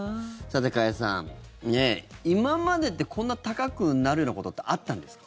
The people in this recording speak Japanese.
加谷さん、今までってこんな高くなるようなことってあったんですか。